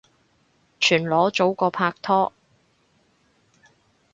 全裸早過拍拖